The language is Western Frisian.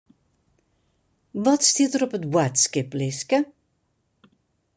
Wat stiet der op it boadskiplistke?